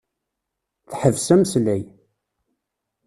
Teḥbes ameslay.